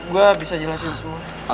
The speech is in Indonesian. gua bisa jelasin semuanya